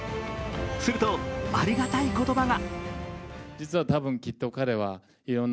すると、ありがたい言葉が。